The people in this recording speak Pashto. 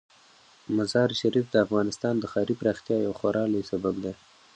مزارشریف د افغانستان د ښاري پراختیا یو خورا لوی سبب دی.